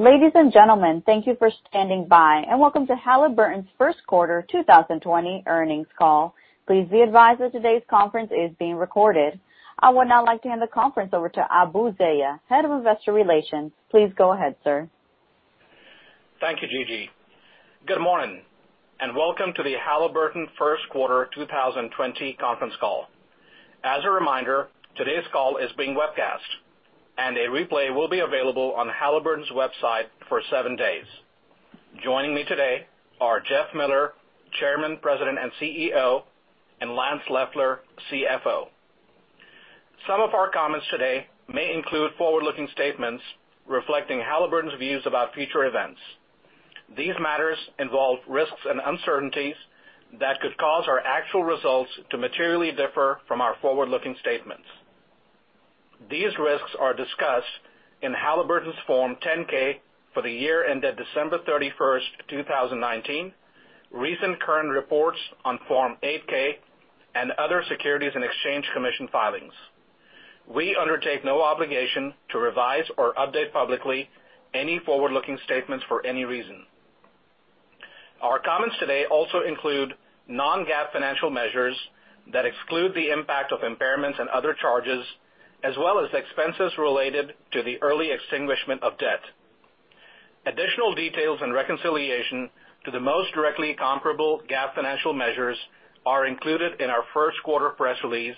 Ladies and gentlemen, thank you for standing by, and welcome to Halliburton's first quarter 2020 earnings call. Please be advised that today's conference is being recorded. I would now like to hand the conference over to Abu Zeya, Head of Investor Relations. Please go ahead, sir. Thank you, Jiji. Good morning, and welcome to the Halliburton first quarter 2020 conference call. As a reminder, today's call is being webcast, and a replay will be available on Halliburton's website for seven days. Joining me today are Jeff Miller, Chairman, President, and CEO, and Lance Loeffler, CFO. Some of our comments today may include forward-looking statements reflecting Halliburton's views about future events. These matters involve risks and uncertainties that could cause our actual results to materially differ from our forward-looking statements. These risks are discussed in Halliburton's Form 10-K for the year ended December 31st, 2019, recent current reports on Form 8-K, and other Securities and Exchange Commission filings. We undertake no obligation to revise or update publicly any forward-looking statements for any reason. Our comments today also include non-GAAP financial measures that exclude the impact of impairments and other charges, as well as expenses related to the early extinguishment of debt. Additional details and reconciliation to the most directly comparable GAAP financial measures are included in our first quarter press release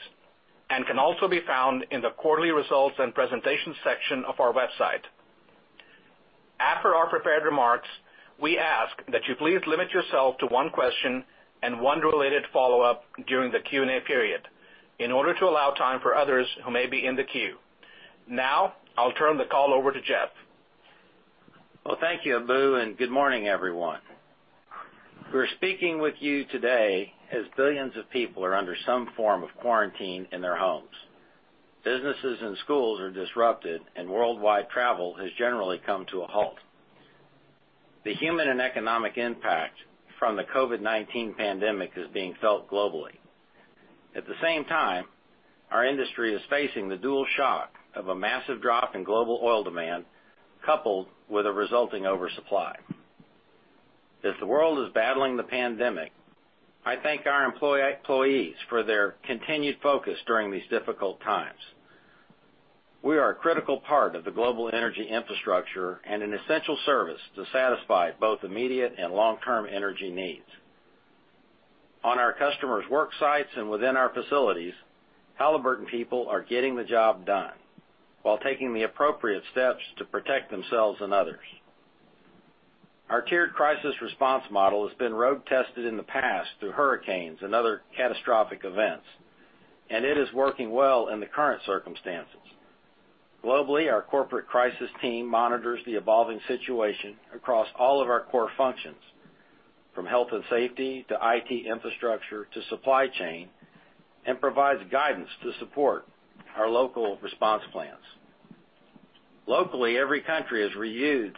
and can also be found in the quarterly results and presentation section of our website. After our prepared remarks, we ask that you please limit yourself to one question and one related follow-up during the Q&A period in order to allow time for others who may be in the queue. Now, I'll turn the call over to Jeff. Well, thank you, Abu Zeya, and good morning, everyone. We're speaking with you today as billions of people are under some form of quarantine in their homes. Businesses and schools are disrupted, and worldwide travel has generally come to a halt. The human and economic impact from the COVID-19 pandemic is being felt globally. At the same time, our industry is facing the dual shock of a massive drop in global oil demand coupled with a resulting oversupply. As the world is battling the pandemic, I thank our employees for their continued focus during these difficult times. We are a critical part of the global energy infrastructure and an essential service to satisfy both immediate and long-term energy needs. On our customers' work sites and within our facilities, Halliburton people are getting the job done while taking the appropriate steps to protect themselves and others. Our tiered crisis response model has been road tested in the past through hurricanes and other catastrophic events, and it is working well in the current circumstances. Globally, our corporate crisis team monitors the evolving situation across all of our core functions, from health and safety to IT infrastructure to supply chain, and provides guidance to support our local response plans. Locally, every country has reviewed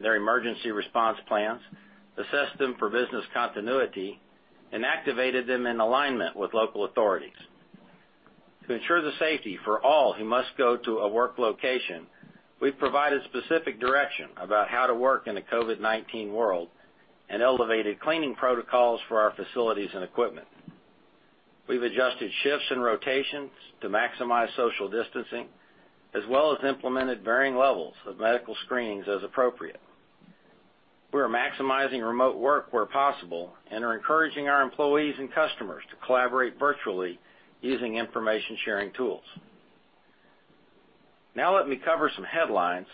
their emergency response plans, assessed them for business continuity, and activated them in alignment with local authorities. To ensure the safety for all who must go to a work location, we've provided specific direction about how to work in a COVID-19 world and elevated cleaning protocols for our facilities and equipment. We've adjusted shifts and rotations to maximize social distancing, as well as implemented varying levels of medical screenings as appropriate. We are maximizing remote work where possible and are encouraging our employees and customers to collaborate virtually using information sharing tools. Now let me cover some headlines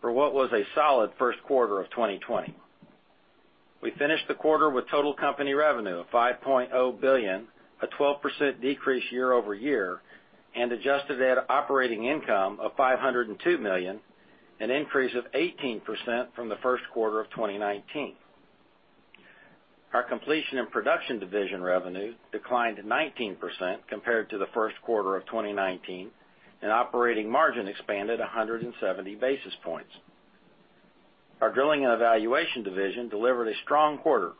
for what was a solid first quarter of 2020. We finished the quarter with total company revenue of $5.0 billion, a 12% decrease year-over-year, and adjusted net operating income of $502 million, an increase of 18% from the first quarter of 2019. Our Completion and Production division revenue declined 19% compared to the first quarter of 2019, and operating margin expanded 170 basis points. Our Drilling and Evaluation division delivered a strong quarter.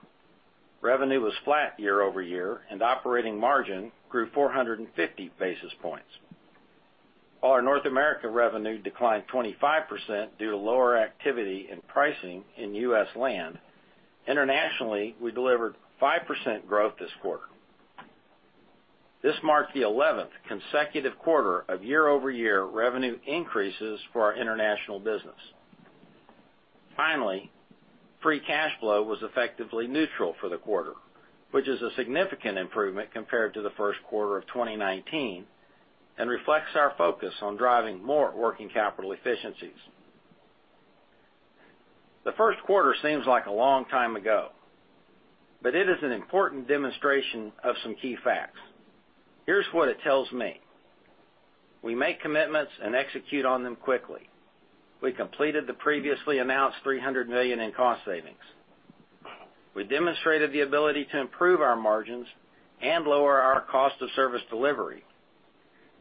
Revenue was flat year-over-year, and operating margin grew 450 basis points. While our North America revenue declined 25% due to lower activity and pricing in U.S. land, internationally, we delivered 5% growth this quarter. This marked the 11th consecutive quarter of year-over-year revenue increases for our international business. Finally, free cash flow was effectively neutral for the quarter, which is a significant improvement compared to the first quarter of 2019 and reflects our focus on driving more working capital efficiencies. The first quarter seems like a long time ago, but it is an important demonstration of some key facts. Here's what it tells me. We make commitments and execute on them quickly. We completed the previously announced $300 million in cost savings. We demonstrated the ability to improve our margins and lower our cost of service delivery,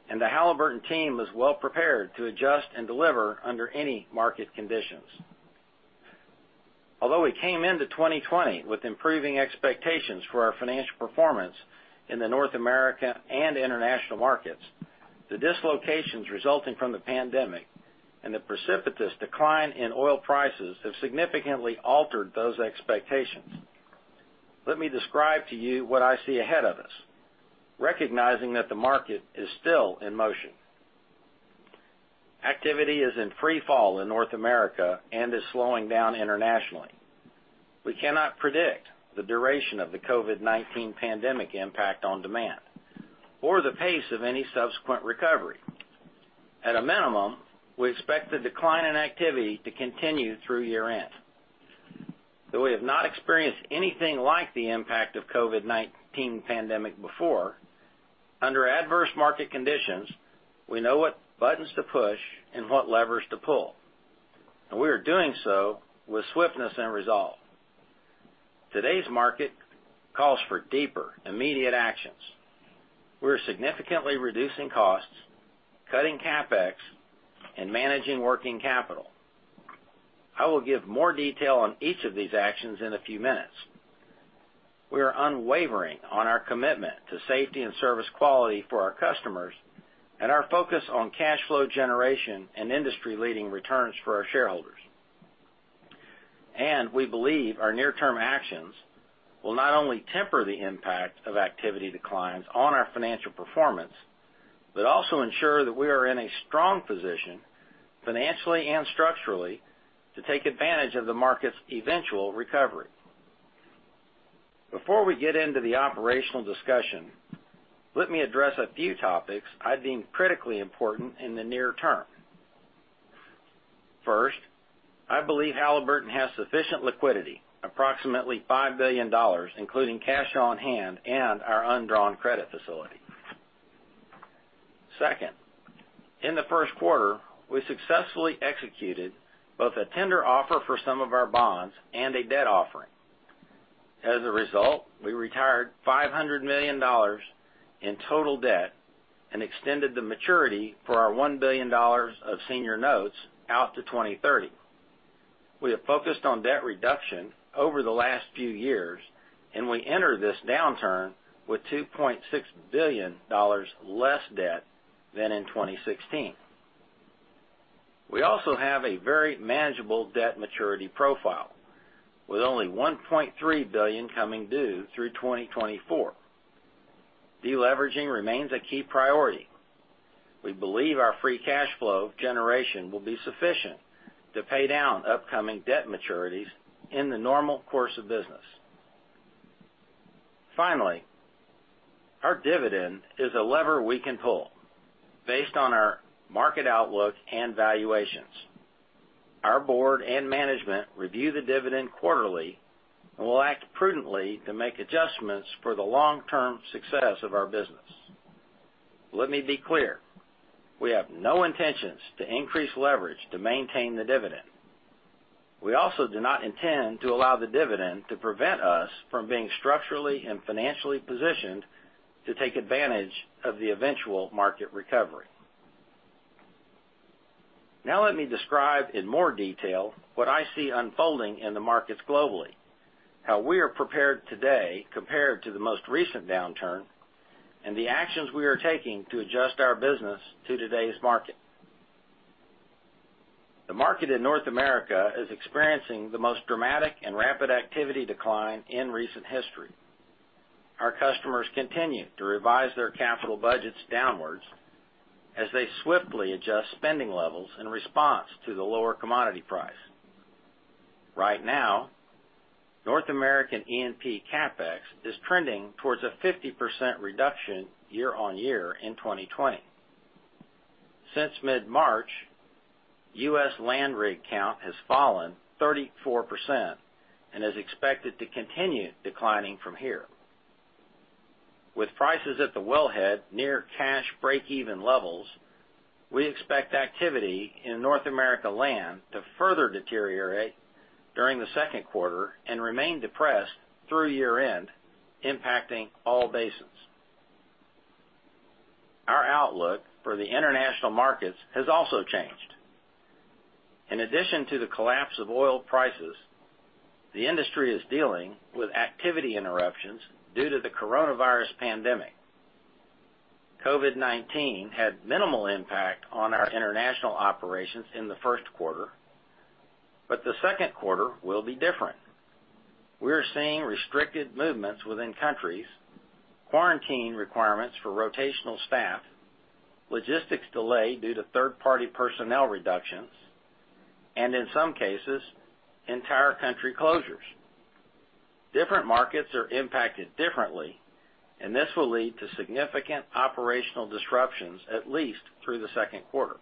and the Halliburton team is well prepared to adjust and deliver under any market conditions. Although we came into 2020 with improving expectations for our financial performance in the North America and international markets, the dislocations resulting from the pandemic and the precipitous decline in oil prices have significantly altered those expectations. Let me describe to you what I see ahead of us, recognizing that the market is still in motion. Activity is in free fall in North America and is slowing down internationally. We cannot predict the duration of the COVID-19 pandemic impact on demand, or the pace of any subsequent recovery. At a minimum, we expect the decline in activity to continue through year-end. Though we have not experienced anything like the impact of COVID-19 pandemic before, under adverse market conditions, we know what buttons to push and what levers to pull, and we are doing so with swiftness and resolve. Today's market calls for deeper, immediate actions. We're significantly reducing costs, cutting CapEx, and managing working capital. I will give more detail on each of these actions in a few minutes. We are unwavering on our commitment to safety and service quality for our customers, and our focus on cash flow generation and industry-leading returns for our shareholders. We believe our near-term actions will not only temper the impact of activity declines on our financial performance, but also ensure that we are in a strong position, financially and structurally, to take advantage of the market's eventual recovery. Before we get into the operational discussion, let me address a few topics I deem critically important in the near term. First, I believe Halliburton has sufficient liquidity, approximately $5 billion, including cash on hand and our undrawn credit facility. Second, in the first quarter, we successfully executed both a tender offer for some of our bonds and a debt offering. As a result, we retired $500 million in total debt and extended the maturity for our $1 billion of senior notes out to 2030. We have focused on debt reduction over the last few years, and we enter this downturn with $2.6 billion less debt than in 2016. We also have a very manageable debt maturity profile, with only $1.3 billion coming due through 2024. Deleveraging remains a key priority. We believe our free cash flow generation will be sufficient to pay down upcoming debt maturities in the normal course of business. Our dividend is a lever we can pull based on our market outlook and valuations. Our board and management review the dividend quarterly and will act prudently to make adjustments for the long-term success of our business. Let me be clear, we have no intentions to increase leverage to maintain the dividend. We also do not intend to allow the dividend to prevent us from being structurally and financially positioned to take advantage of the eventual market recovery. Let me describe in more detail what I see unfolding in the markets globally, how we are prepared today compared to the most recent downturn, and the actions we are taking to adjust our business to today's market. The market in North America is experiencing the most dramatic and rapid activity decline in recent history. Our customers continue to revise their capital budgets downwards as they swiftly adjust spending levels in response to the lower commodity price. Right now, North American E&P CapEx is trending towards a 50% reduction year-on-year in 2020. Since mid-March, U.S. land rig count has fallen 34% and is expected to continue declining from here. With prices at the wellhead near cash break-even levels, we expect activity in North America land to further deteriorate during the second quarter and remain depressed through year-end, impacting all basins. Our outlook for the international markets has also changed. In addition to the collapse of oil prices, the industry is dealing with activity interruptions due to the coronavirus pandemic. COVID-19 had minimal impact on our international operations in the first quarter. The second quarter will be different. We are seeing restricted movements within countries, quarantine requirements for rotational staff, logistics delay due to third-party personnel reductions, and in some cases, entire country closures. Different markets are impacted differently. This will lead to significant operational disruptions at least through the second quarter.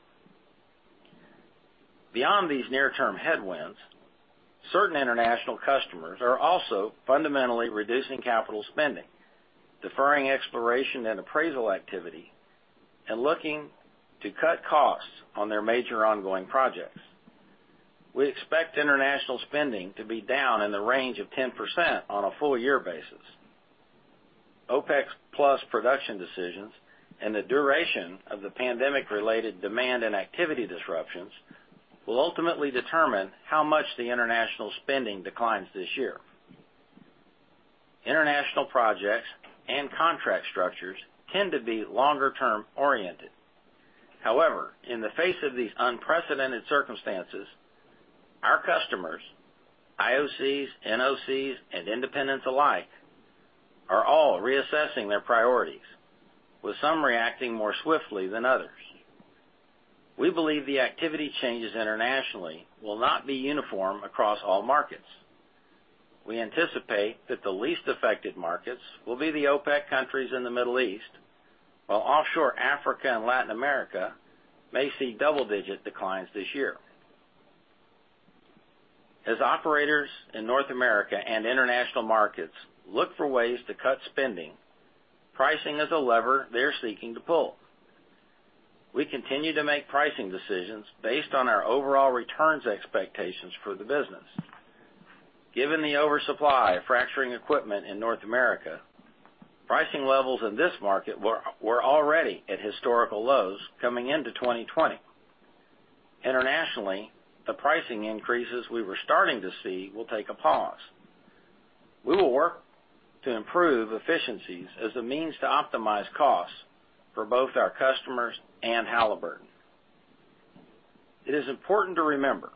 Beyond these near-term headwinds, certain international customers are also fundamentally reducing capital spending, deferring exploration and appraisal activity, and looking to cut costs on their major ongoing projects. We expect international spending to be down in the range of 10% on a full year basis. OPEC+ production decisions and the duration of the pandemic-related demand and activity disruptions will ultimately determine how much the international spending declines this year. International projects and contract structures tend to be longer-term oriented. However, in the face of these unprecedented circumstances, our customers, IOCs, NOCs, and independents alike, are all reassessing their priorities, with some reacting more swiftly than others. We believe the activity changes internationally will not be uniform across all markets. We anticipate that the least affected markets will be the OPEC countries in the Middle East, while offshore Africa and Latin America may see double-digit declines this year. As operators in North America and international markets look for ways to cut spending, pricing is a lever they're seeking to pull. We continue to make pricing decisions based on our overall returns expectations for the business. Given the oversupply of fracturing equipment in North America, pricing levels in this market were already at historical lows coming into 2020. Internationally, the pricing increases we were starting to see will take a pause. We will work to improve efficiencies as a means to optimize costs for both our customers and Halliburton. It is important to remember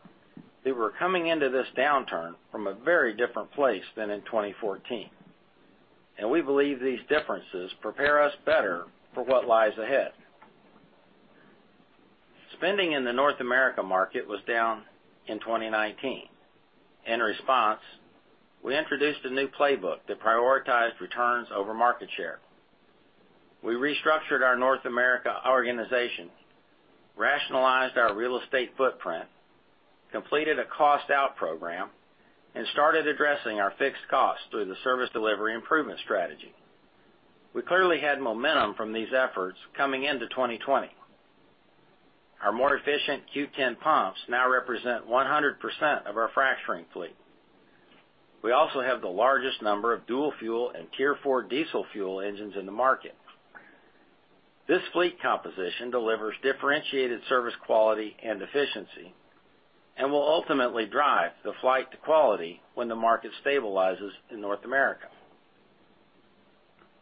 that we're coming into this downturn from a very different place than in 2014, and we believe these differences prepare us better for what lies ahead. Spending in the North America market was down in 2019. In response, we introduced a new playbook that prioritized returns over market share. We restructured our North America organization, rationalized our real estate footprint, completed a cost-out program, and started addressing our fixed costs through the service delivery improvement strategy. We clearly had momentum from these efforts coming into 2020. Our more efficient Q10 pumps now represent 100% of our fracturing fleet. We also have the largest number of dual fuel and Tier 4 diesel fuel engines in the market. This fleet composition delivers differentiated service quality and efficiency and will ultimately drive the flight to quality when the market stabilizes in North America.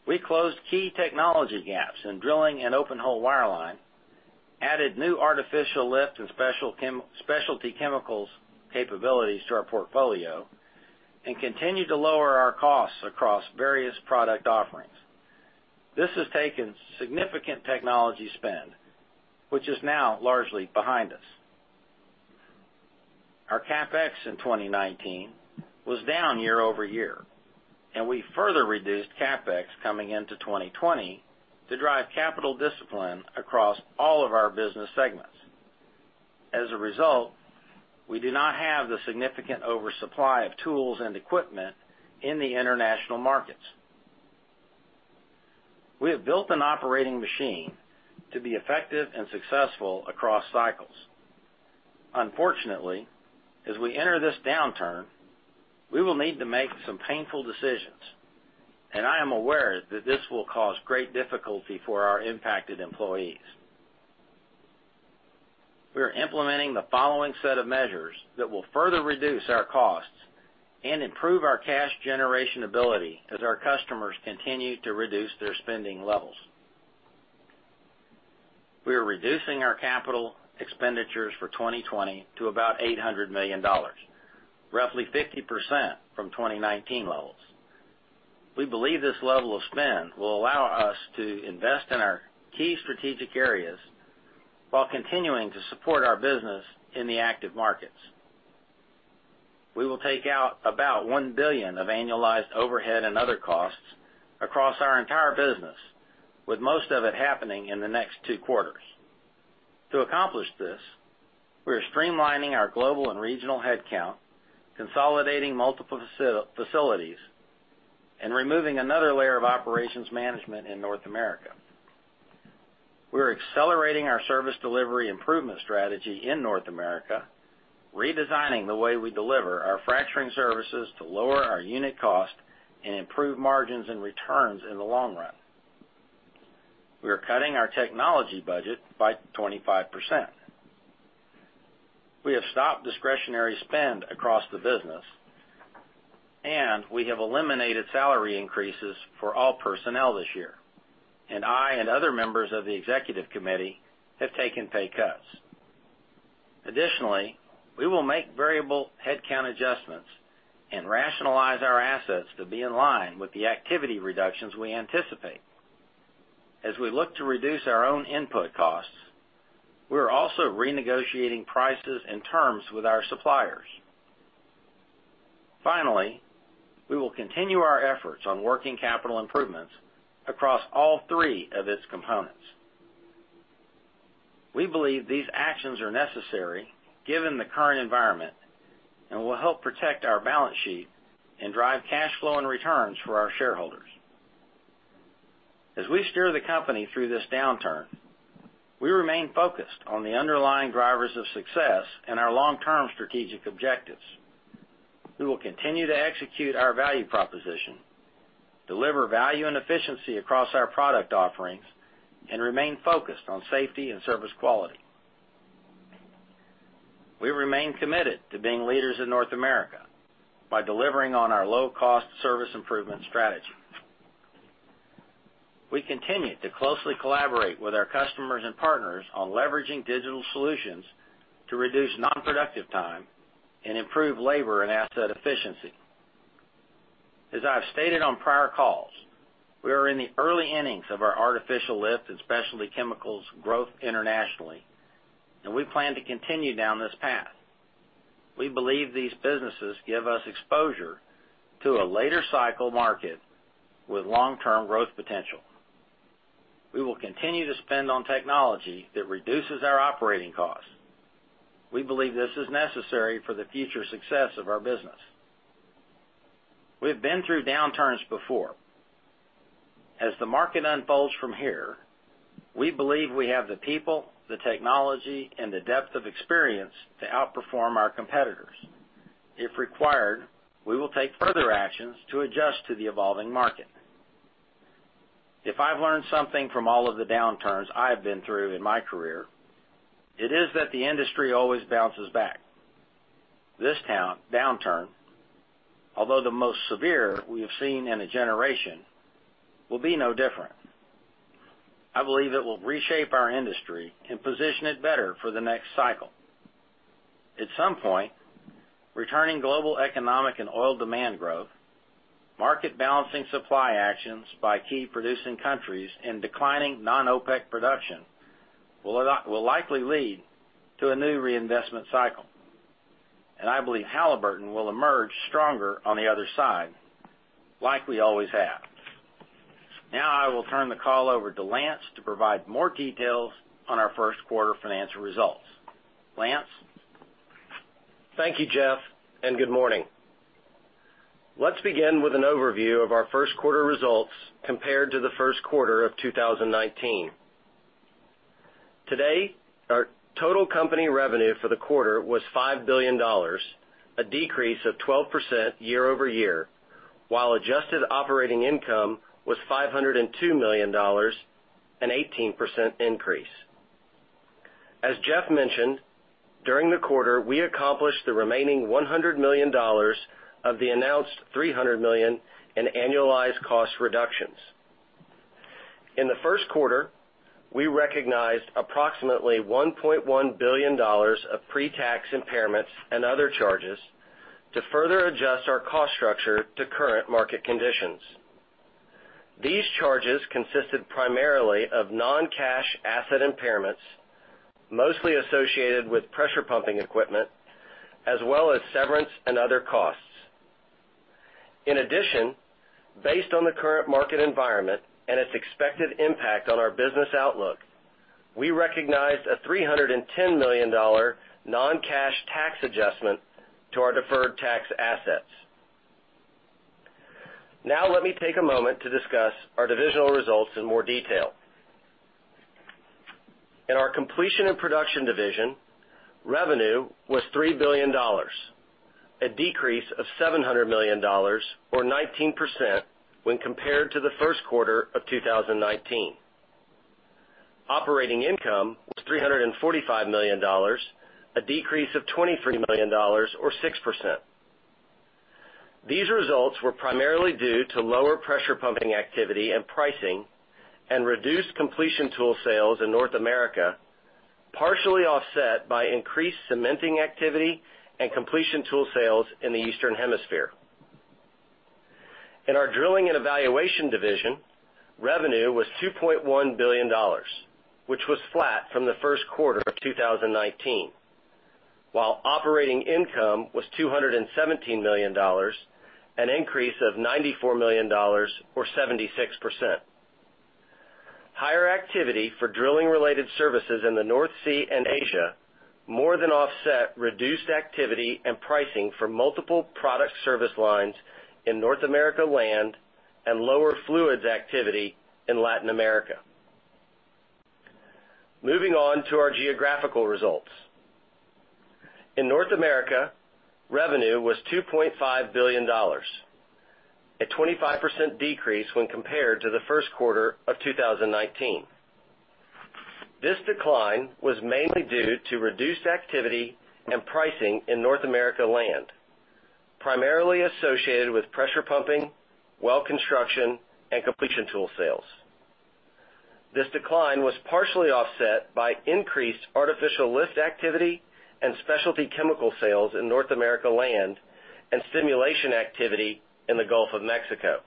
We closed key technology gaps in drilling and open hole wireline, added new artificial lift and specialty chemicals capabilities to our portfolio, and continued to lower our costs across various product offerings. This has taken significant technology spend, which is now largely behind us. Our CapEx in 2019 was down year-over-year. We further reduced CapEx coming into 2020 to drive capital discipline across all of our business segments. As a result, we do not have the significant oversupply of tools and equipment in the international markets. We have built an operating machine to be effective and successful across cycles. Unfortunately, as we enter this downturn, we will need to make some painful decisions, and I am aware that this will cause great difficulty for our impacted employees. We are implementing the following set of measures that will further reduce our costs and improve our cash generation ability as our customers continue to reduce their spending levels. We are reducing our capital expenditures for 2020 to about $800 million, roughly 50% from 2019 levels. We believe this level of spend will allow us to invest in our key strategic areas while continuing to support our business in the active markets. We will take out about $1 billion of annualized overhead and other costs across our entire business, with most of it happening in the next two quarters. To accomplish this, we are streamlining our global and regional headcount, consolidating multiple facilities, and removing another layer of operations management in North America. We are accelerating our service delivery improvement strategy in North America, redesigning the way we deliver our fracturing services to lower our unit cost and improve margins and returns in the long run. We are cutting our technology budget by 25%. We have stopped discretionary spend across the business, and we have eliminated salary increases for all personnel this year, and I and other members of the executive committee have taken pay cuts. Additionally, we will make variable headcount adjustments and rationalize our assets to be in line with the activity reductions we anticipate. As we look to reduce our own input costs, we are also renegotiating prices and terms with our suppliers. We will continue our efforts on working capital improvements across all three of its components. We believe these actions are necessary given the current environment, and will help protect our balance sheet and drive cash flow and returns for our shareholders. As we steer the company through this downturn, we remain focused on the underlying drivers of success and our long-term strategic objectives. We will continue to execute our value proposition, deliver value and efficiency across our product offerings, and remain focused on safety and service quality. We remain committed to being leaders in North America by delivering on our low-cost service improvement strategy. We continue to closely collaborate with our customers and partners on leveraging digital solutions to reduce non-productive time and improve labor and asset efficiency. As I've stated on prior calls, we are in the early innings of our artificial lift and specialty chemicals growth internationally, and we plan to continue down this path. We believe these businesses give us exposure to a later cycle market with long-term growth potential. We will continue to spend on technology that reduces our operating costs. We believe this is necessary for the future success of our business. We've been through downturns before. As the market unfolds from here, we believe we have the people, the technology, and the depth of experience to outperform our competitors. If required, we will take further actions to adjust to the evolving market. If I've learned something from all of the downturns I have been through in my career, it is that the industry always bounces back. This downturn, although the most severe we have seen in a generation, will be no different. I believe it will reshape our industry and position it better for the next cycle. At some point, returning global economic and oil demand growth, market balancing supply actions by key producing countries, and declining non-OPEC production will likely lead to a new reinvestment cycle. I believe Halliburton will emerge stronger on the other side, like we always have. Now I will turn the call over to Lance to provide more details on our first quarter financial results. Lance? Thank you, Jeff, and good morning. Let's begin with an overview of our first quarter results compared to the first quarter of 2019. Our total company revenue for the quarter was $5 billion, a decrease of 12% year-over-year, while adjusted operating income was $502 million, an 18% increase. As Jeff mentioned, during the quarter, we accomplished the remaining $100 million of the announced $300 million in annualized cost reductions. In the first quarter, we recognized approximately $1.1 billion of pre-tax impairments and other charges to further adjust our cost structure to current market conditions. These charges consisted primarily of non-cash asset impairments, mostly associated with pressure pumping equipment, as well as severance and other costs. Based on the current market environment and its expected impact on our business outlook, we recognized a $310 million non-cash tax adjustment to our deferred tax assets. Let me take a moment to discuss our divisional results in more detail. In our Completion and Production division, revenue was $3 billion, a decrease of $700 million, or 19%, when compared to the first quarter of 2019. Operating income was $345 million, a decrease of $23 million, or 6%. These results were primarily due to lower pressure pumping activity and pricing and reduced completion tool sales in North America, partially offset by increased cementing activity and completion tool sales in the Eastern Hemisphere. In our Drilling and Evaluation division, revenue was $2.1 billion, which was flat from the first quarter of 2019. While operating income was $217 million, an increase of $94 million, or 76%. Higher activity for drilling related services in the North Sea and Asia more than offset reduced activity and pricing for multiple product service lines in North America Land and lower fluids activity in Latin America. Moving on to our geographical results. In North America, revenue was $2.5 billion, a 25% decrease when compared to the first quarter of 2019. This decline was mainly due to reduced activity and pricing in North America Land, primarily associated with pressure pumping, well construction, and completion tool sales. This decline was partially offset by increased artificial lift activity and specialty chemical sales in North America Land and stimulation activity in the Gulf of Mexico.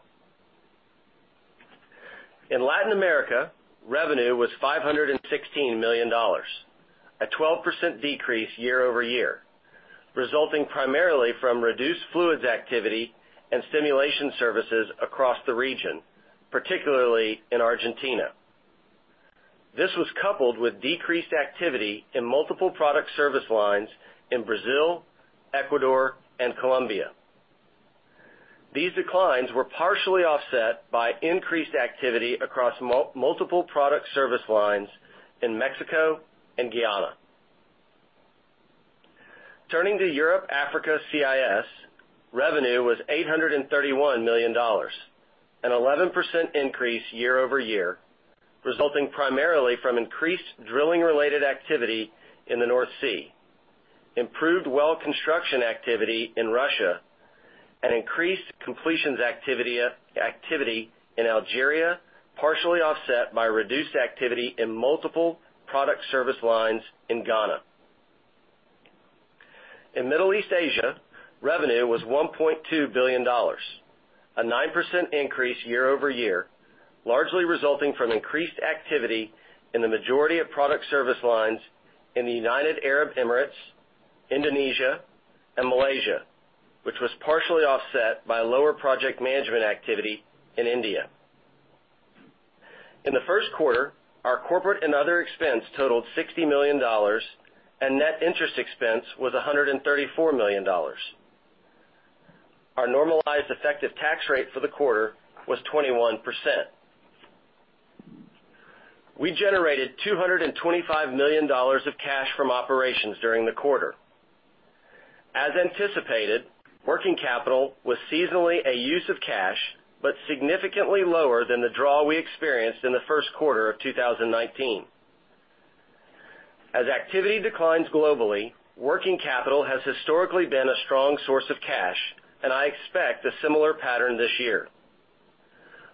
In Latin America, revenue was $516 million, a 12% decrease year-over-year, resulting primarily from reduced fluids activity and stimulation services across the region, particularly in Argentina. This was coupled with decreased activity in multiple product service lines in Brazil, Ecuador, and Colombia. These declines were partially offset by increased activity across multiple product service lines in Mexico and Guyana. Turning to Europe, Africa, CIS, revenue was $831 million, an 11% increase year-over-year, resulting primarily from increased drilling-related activity in the North Sea, improved well construction activity in Russia, and increased completions activity in Algeria, partially offset by reduced activity in multiple product service lines in Ghana. In Middle East, Asia, revenue was $1.2 billion, a 9% increase year-over-year, largely resulting from increased activity in the majority of product service lines in the United Arab Emirates, Indonesia, and Malaysia, which was partially offset by lower project management activity in India. In the first quarter, our corporate and other expense totaled $60 million, and net interest expense was $134 million. Our normalized effective tax rate for the quarter was 21%. We generated $225 million of cash from operations during the quarter. As anticipated, working capital was seasonally a use of cash, but significantly lower than the draw we experienced in the first quarter of 2019. As activity declines globally, working capital has historically been a strong source of cash, and I expect a similar pattern this year.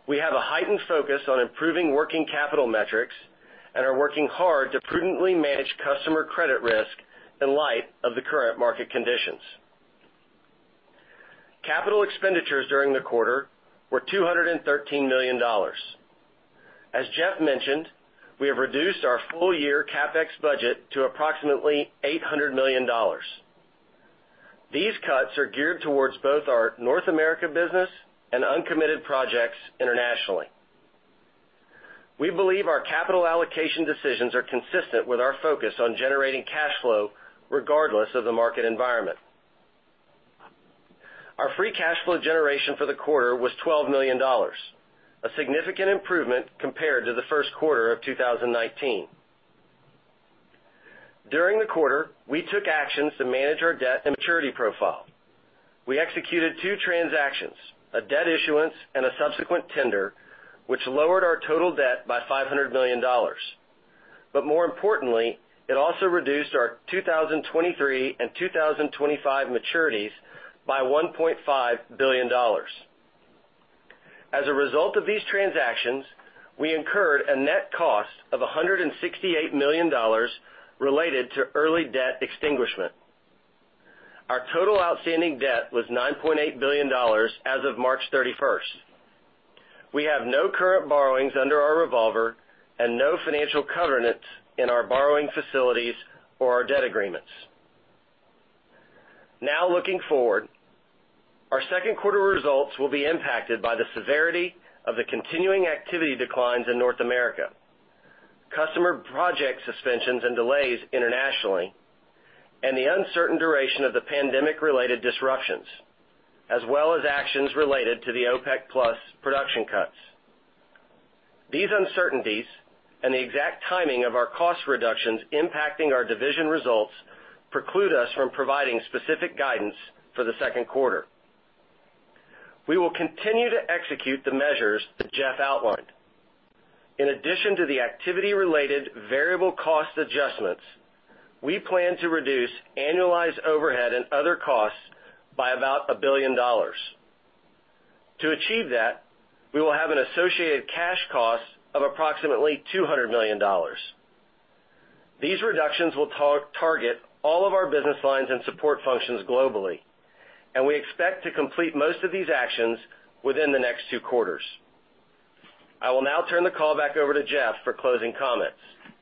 We have a heightened focus on improving working capital metrics and are working hard to prudently manage customer credit risk in light of the current market conditions. Capital expenditures during the quarter were $213 million. As Jeff mentioned, we have reduced our full year CapEx budget to approximately $800 million. These cuts are geared towards both our North America business and uncommitted projects internationally. We believe our capital allocation decisions are consistent with our focus on generating cash flow regardless of the market environment. Our free cash flow generation for the quarter was $12 million, a significant improvement compared to the first quarter of 2019. During the quarter, we took actions to manage our debt and maturity profile. We executed two transactions, a debt issuance, and a subsequent tender, which lowered our total debt by $500 million. More importantly, it also reduced our 2023 and 2025 maturities by $1.5 billion. As a result of these transactions, we incurred a net cost of $168 million related to early debt extinguishment. Our total outstanding debt was $9.8 billion as of March 31st. We have no current borrowings under our revolver and no financial covenants in our borrowing facilities or our debt agreements. Looking forward, our second quarter results will be impacted by the severity of the continuing activity declines in North America, customer project suspensions and delays internationally, and the uncertain duration of the pandemic-related disruptions, as well as actions related to the OPEC+ production cuts. These uncertainties and the exact timing of our cost reductions impacting our division results preclude us from providing specific guidance for the second quarter. We will continue to execute the measures that Jeff outlined. In addition to the activity-related variable cost adjustments, we plan to reduce annualized overhead and other costs by about $1 billion. To achieve that, we will have an associated cash cost of approximately $200 million. These reductions will target all of our business lines and support functions globally, and we expect to complete most of these actions within the next two quarters. I will now turn the call back over to Jeff for closing comments.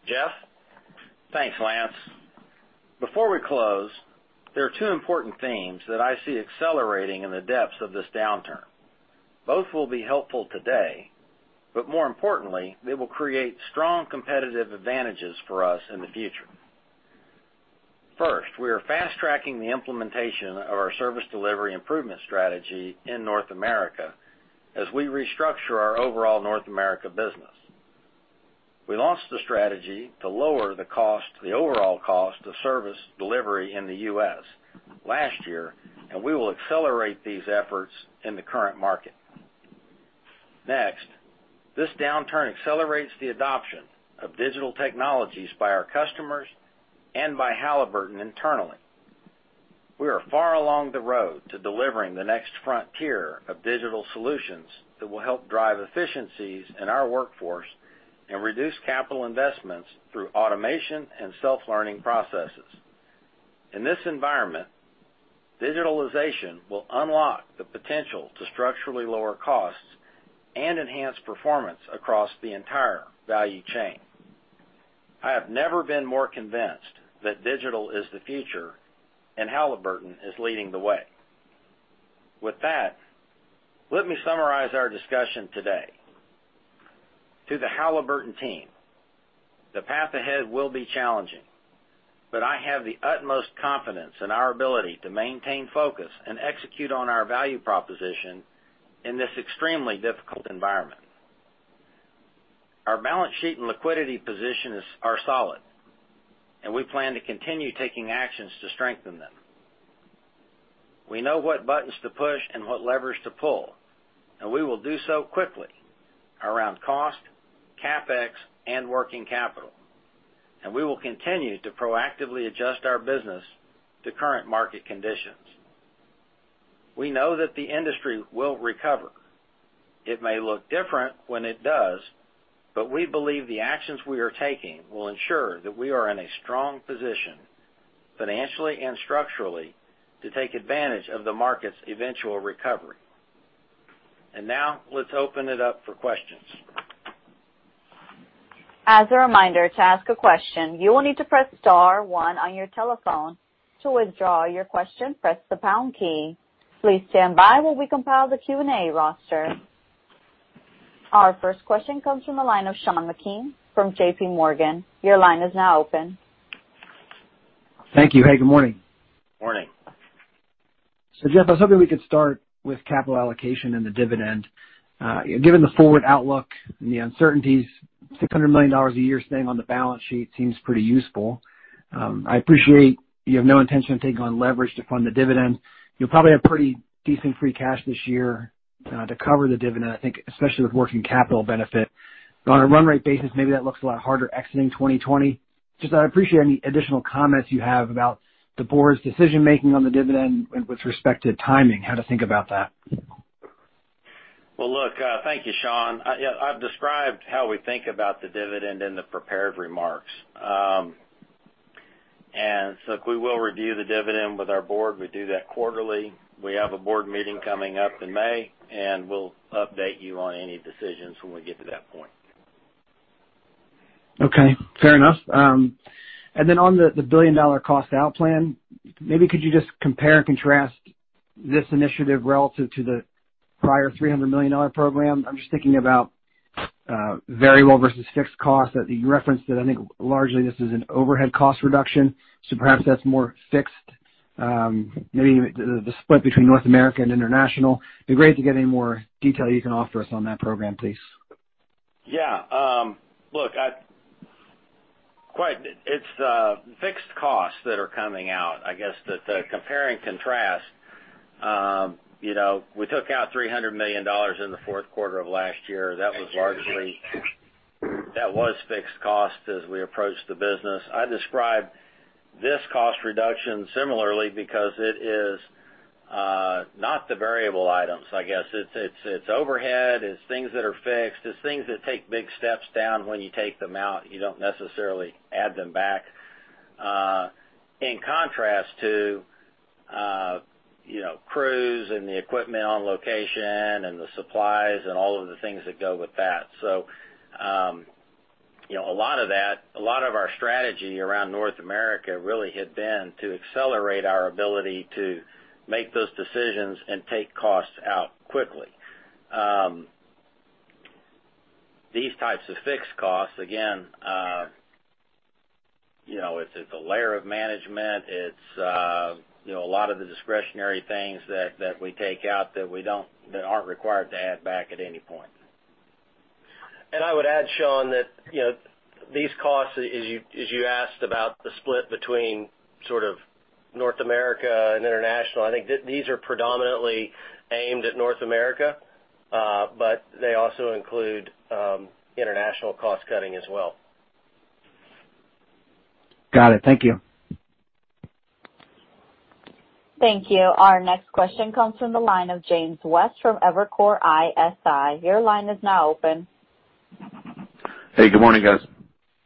Jeff? Thanks, Lance. Before we close, there are two important themes that I see accelerating in the depths of this downturn. Both will be helpful today, but more importantly, they will create strong competitive advantages for us in the future. First, we are fast-tracking the implementation of our service delivery improvement strategy in North America as we restructure our overall North America business. We launched the strategy to lower the overall cost of service delivery in the U.S. last year, and we will accelerate these efforts in the current market. Next, this downturn accelerates the adoption of digital technologies by our customers and by Halliburton internally. We are far along the road to delivering the next frontier of digital solutions that will help drive efficiencies in our workforce and reduce capital investments through automation and self-learning processes. In this environment, digitalization will unlock the potential to structurally lower costs and enhance performance across the entire value chain. I have never been more convinced that digital is the future and Halliburton is leading the way. With that, let me summarize our discussion today. To the Halliburton team, the path ahead will be challenging, but I have the utmost confidence in our ability to maintain focus and execute on our value proposition in this extremely difficult environment. Our balance sheet and liquidity positions are solid, and we plan to continue taking actions to strengthen them. We know what buttons to push and what levers to pull, and we will do so quickly around cost, CapEx, and working capital. We will continue to proactively adjust our business to current market conditions. We know that the industry will recover. It may look different when it does, but we believe the actions we are taking will ensure that we are in a strong position, financially and structurally, to take advantage of the market's eventual recovery. Now let's open it up for questions. As a reminder, to ask a question, you will need to press star one on your telephone. To withdraw your question, press the pound key. Please stand by while we compile the Q&A roster. Our first question comes from the line of Sean Meakim from JPMorgan. Your line is now open. Thank you. Hey, good morning. Morning. Jeff, I was hoping we could start with capital allocation and the dividend. Given the forward outlook and the uncertainties, $600 million a year staying on the balance sheet seems pretty useful. I appreciate you have no intention of taking on leverage to fund the dividend. You'll probably have pretty decent free cash this year to cover the dividend, I think especially with working capital benefit. On a run rate basis, maybe that looks a lot harder exiting 2020. Just I'd appreciate any additional comments you have about the board's decision-making on the dividend with respect to timing, how to think about that. Well, look, thank you, Sean. I've described how we think about the dividend in the prepared remarks. Look, we will review the dividend with our board. We do that quarterly. We have a board meeting coming up in May, and we'll update you on any decisions when we get to that point. Okay, fair enough. Then on the billion-dollar cost-out plan, maybe could you just compare and contrast this initiative relative to the prior $300 million program? I'm just thinking about variable versus fixed costs that you referenced that I think largely this is an overhead cost reduction, so perhaps that's more fixed. Maybe the split between North America and international? It'd be great to get any more detail you can offer us on that program, please. Yeah. Look, it's fixed costs that are coming out. I guess the compare and contrast, we took out $300 million in the fourth quarter of last year. That was largely fixed costs as we approached the business. I describe this cost reduction similarly because it is not the variable items, I guess. It's overhead. It's things that are fixed. It's things that take big steps down when you take them out. You don't necessarily add them back. In contrast to crews and the equipment on location and the supplies and all of the things that go with that. A lot of our strategy around North America really had been to accelerate our ability to make those decisions and take costs out quickly. These types of fixed costs, again, it's a layer of management. It's a lot of the discretionary things that we take out that aren't required to add back at any point. I would add, Sean, that these costs, as you asked about the split between North America and international, I think these are predominantly aimed at North America. They also include international cost-cutting as well. Got it. Thank you. Thank you. Our next question comes from the line of James West from Evercore ISI. Your line is now open. Hey, good morning, guys.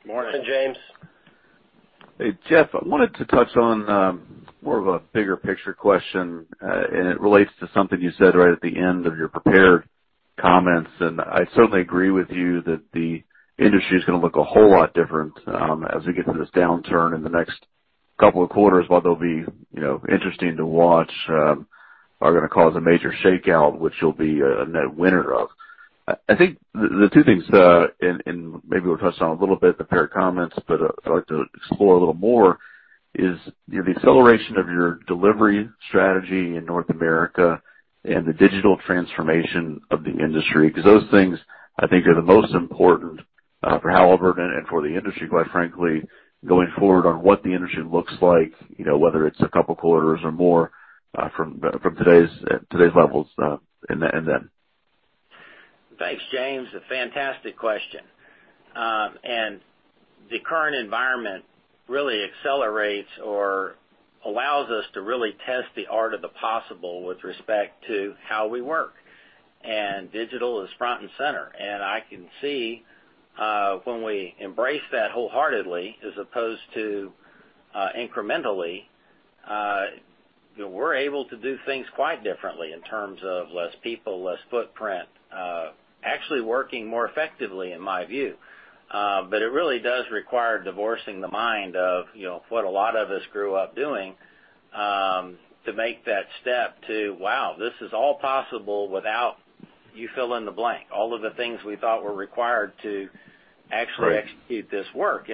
Morning. Morning, James. Hey, Jeff, I wanted to touch on more of a bigger picture question, and it relates to something you said right at the end of your prepared comments, and I certainly agree with you that the industry is going to look a whole lot different as we get through this downturn in the next couple of quarters. While they'll be interesting to watch, are going to cause a major shakeout, which you'll be a net winner of. I think the two things, and maybe we'll touch on a little bit in the prepared comments, but I'd like to explore a little more, is the acceleration of your delivery strategy in North America and the digital transformation of the industry. Those things, I think, are the most important for Halliburton and for the industry, quite frankly, going forward on what the industry looks like, whether it's a couple of quarters or more from today's levels. Thanks, James. A fantastic question. The current environment really accelerates or allows us to really test the art of the possible with respect to how we work. Digital is front and center. I can see when we embrace that wholeheartedly as opposed to incrementally, we're able to do things quite differently in terms of less people, less footprint. Actually working more effectively in my view. It really does require divorcing the mind of what a lot of us grew up doing to make that step to, wow, this is all possible without you fill in the blank. All of the things we thought were required to actually execute this work.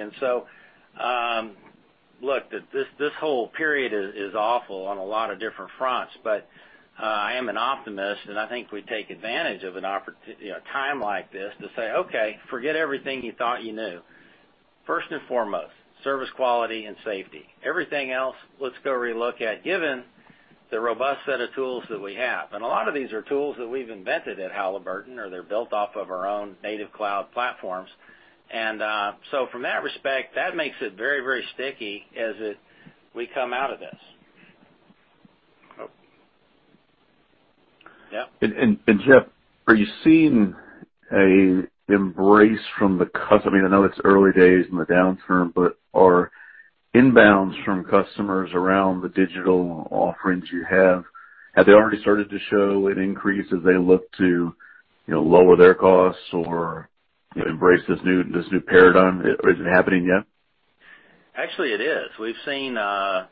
Look, this whole period is awful on a lot of different fronts, but I am an optimist, and I think if we take advantage of a time like this to say, "Okay, forget everything you thought you knew. First and foremost, service, quality, and safety. Everything else, let's go relook at, given the robust set of tools that we have." A lot of these are tools that we've invented at Halliburton, or they're built off of our own native cloud platforms. From that respect, that makes it very, very sticky as we come out of this. Yeah. Jeff, I know it's early days in the downturn, but are inbounds from customers around the digital offerings you have they already started to show an increase as they look to lower their costs or embrace this new paradigm? Is it happening yet? Actually, it is. We've seen a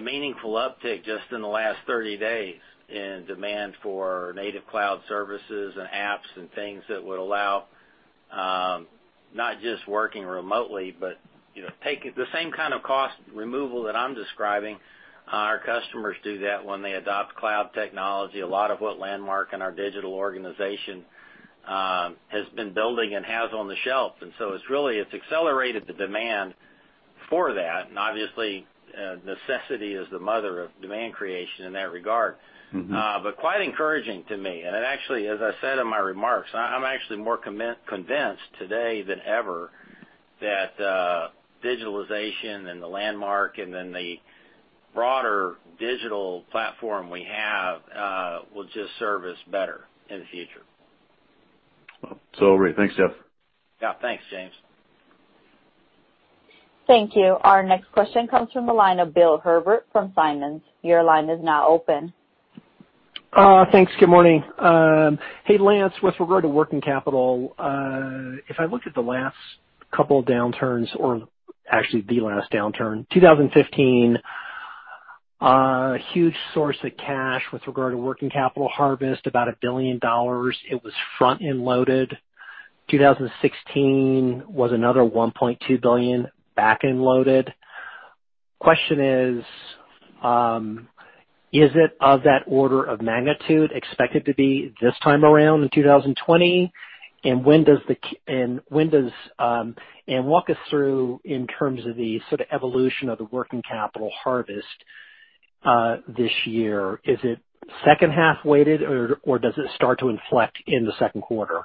meaningful uptick just in the last 30 days in demand for native cloud services and apps and things that would allow, not just working remotely, but take the same kind of cost removal that I'm describing. Our customers do that when they adopt cloud technology. A lot of what Landmark and our digital organization has been building and has on the shelf. It's really accelerated the demand for that. Obviously, necessity is the mother of demand creation in that regard. Quite encouraging to me. It actually, as I said in my remarks, I'm actually more convinced today than ever that digitalization and the Landmark and then the broader digital platform we have will just serve us better in the future. Well, it's all right. Thanks, Jeff. Yeah. Thanks, James. Thank you. Our next question comes from the line of Bill Herbert from Simmons. Your line is now open. Thanks. Good morning. Hey, Lance, with regard to working capital, if I look at the last couple of downturns, or actually the last downturn, 2015, a huge source of cash with regard to working capital harvest, about $1 billion. It was front-end loaded. 2016 was another $1.2 billion back-end loaded. Question is it of that order of magnitude expected to be this time around in 2020? Walk us through in terms of the sort of evolution of the working capital harvest this year. Is it second half-weighted, or does it start to inflect in the second quarter?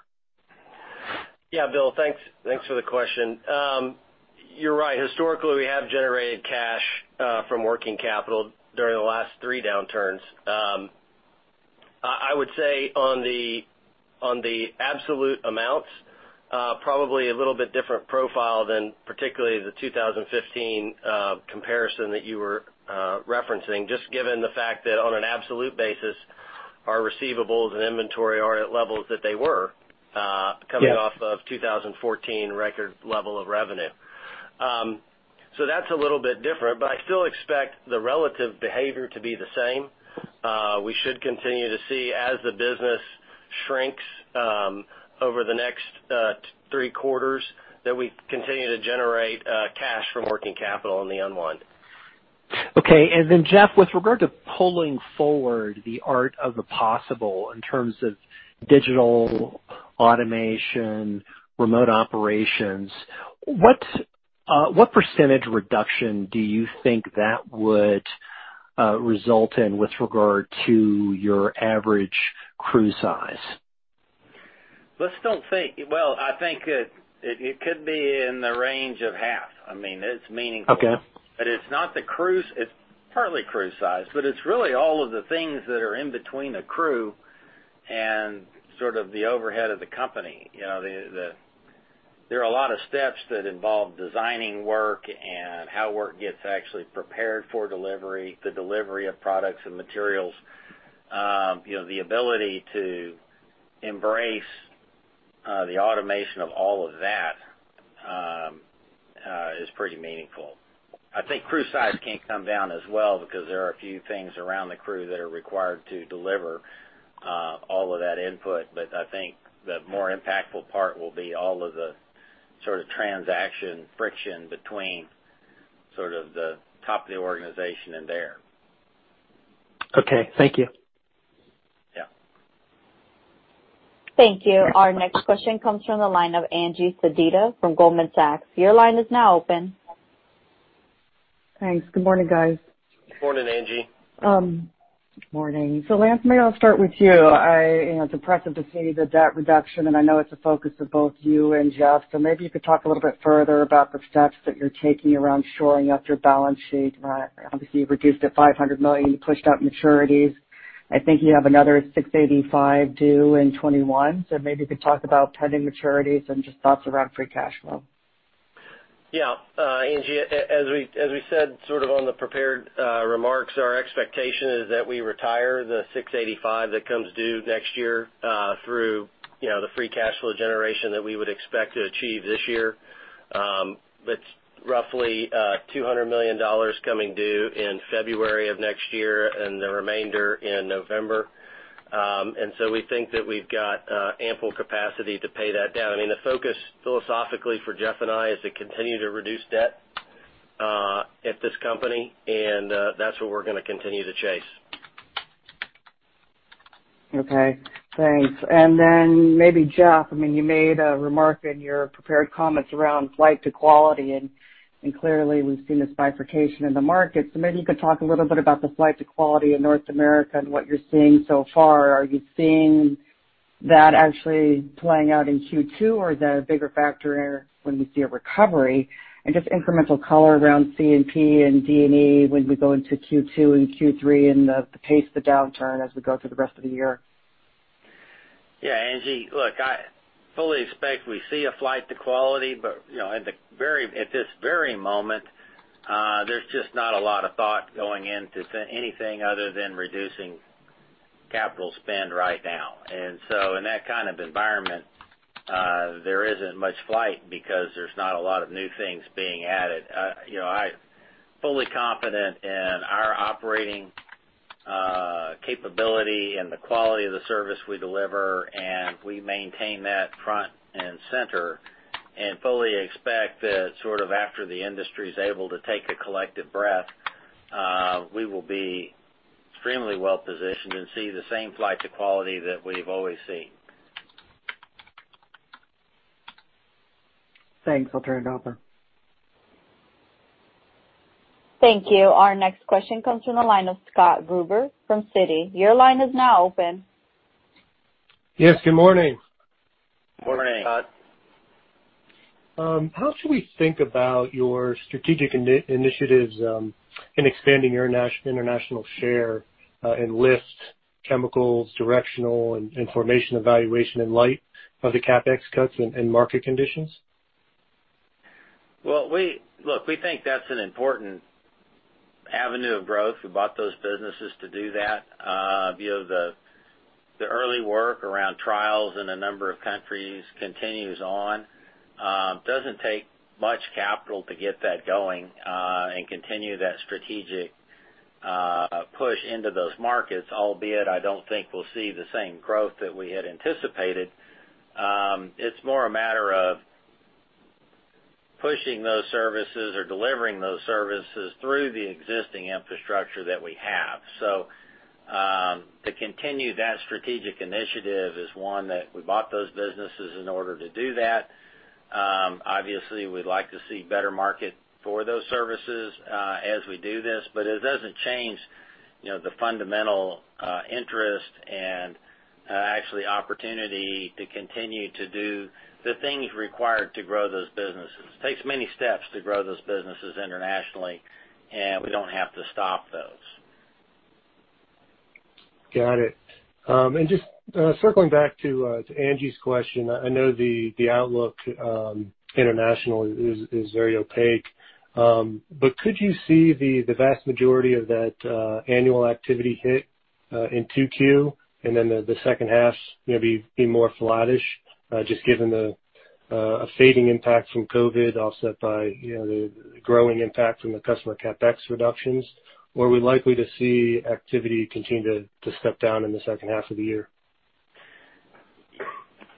Yeah, Bill. Thanks for the question. You're right. Historically, we have generated cash from working capital during the last three downturns. I would say on the absolute amounts, probably a little bit different profile than particularly the 2015 comparison that you were referencing, just given the fact that on an absolute basis, our receivables and inventory are at levels that they were. Yeah Coming off of 2014 record level of revenue. That's a little bit different, but I still expect the relative behavior to be the same. We should continue to see as the business shrinks over the next three quarters, that we continue to generate cash from working capital on the unwind. Okay. Jeff, with regard to pulling forward the art of the possible in terms of digital automation, remote operations, what % reduction do you think that would result in with regard to your average crew size? Well, I think it could be in the range of half. I mean, it's meaningful. Okay. It's not the crew. It's partly crew size, but it's really all of the things that are in between a crew and sort of the overhead of the company. There are a lot of steps that involve designing work and how work gets actually prepared for delivery, the delivery of products and materials. The ability to embrace the automation of all of that is pretty meaningful. I think crew size can come down as well because there are a few things around the crew that are required to deliver all of that input. I think the more impactful part will be all of the sort of transaction friction between sort of the top of the organization and there. Okay. Thank you. Yeah. Thank you. Our next question comes from the line of Angie Sedita from Goldman Sachs. Your line is now open. Thanks. Good morning, guys. Good morning, Angie. Morning. Lance, maybe I'll start with you. It's impressive to see the debt reduction, and I know it's a focus of both you and Jeff. Maybe you could talk a little bit further about the steps that you're taking around shoring up your balance sheet. Obviously, you reduced it $500 million. You pushed out maturities. I think you have another $685 due in 2021. Maybe you could talk about pending maturities and just thoughts around free cash flow. Angie, as we said on the prepared remarks, our expectation is that we retire the $685 that comes due next year, through the free cash flow generation that we would expect to achieve this year. That's roughly $200 million coming due in February of next year and the remainder in November. We think that we've got ample capacity to pay that down. I mean, the focus philosophically for Jeff and I is to continue to reduce debt at this company, and that's what we're going to continue to chase. Okay, thanks. Maybe Jeff, you made a remark in your prepared comments around flight to quality, and clearly we've seen this bifurcation in the market. Maybe you could talk a little bit about the flight to quality in North America and what you're seeing so far. Are you seeing that actually playing out in Q2, or is that a bigger factor when we see a recovery? Just incremental color around C&P and D&E when we go into Q2 and Q3 and the pace of the downturn as we go through the rest of the year. Yeah, Angie. Look, I fully expect we see a flight to quality, but at this very moment, there's just not a lot of thought going into anything other than reducing capital spend right now. In that kind of environment, there isn't much flight because there's not a lot of new things being added. I'm fully confident in our operating capability and the quality of the service we deliver, and we maintain that front and center and fully expect that sort of after the industry's able to take a collective breath, we will be extremely well-positioned and see the same flight to quality that we've always seen. Thanks. I'll turn it over. Thank you. Our next question comes from the line of Scott Gruber from Citi. Your line is now open. Yes, good morning. Morning. Morning, Scott. How should we think about your strategic initiatives in expanding your international share in artificial lift chemicals, directional, and formation evaluation in light of the CapEx cuts and market conditions? Look, we think that's an important avenue of growth. We bought those businesses to do that. The early work around trials in a number of countries continues on. Doesn't take much capital to get that going, and continue that strategic push into those markets, albeit I don't think we'll see the same growth that we had anticipated. It's more a matter of pushing those services or delivering those services through the existing infrastructure that we have. To continue that strategic initiative is one that we bought those businesses in order to do that. Obviously, we'd like to see better market for those services as we do this. It doesn't change the fundamental interest and actually opportunity to continue to do the things required to grow those businesses. Takes many steps to grow those businesses internationally, and we don't have to stop those. Got it. Just circling back to Angie's question, I know the outlook internationally is very opaque. Could you see the vast majority of that annual activity hit in 2Q, and then the second half maybe be more flattish, just given the fading impact from COVID offset by the growing impact from the customer CapEx reductions? Are we likely to see activity continue to step down in the second half of the year?